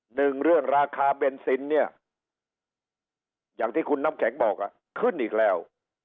หนึ่งเรื่องราคาเบนซินเนี่ยอย่างที่คุณน้ำแข็งบอกอ่ะขึ้นอีกแล้ว